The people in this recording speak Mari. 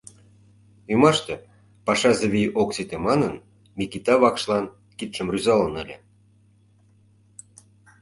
Ӱмаште, «пашазе вий ок сите» манын, Микита вакшлан кидшым рӱзалын ыле.